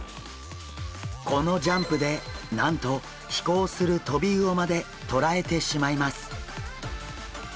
このジャンプでなんと飛行するトビウオまでとらえてしまいます。